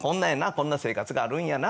こんな生活があるんやなって。